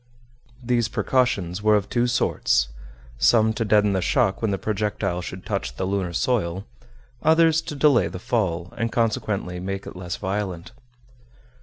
These precautions were of two sorts, some to deaden the shock when the projectile should touch the lunar soil, others to delay the fall, and consequently make it less violent.